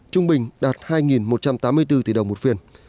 trung bình đạt hai một trăm tám mươi bốn tỷ đồng một phiên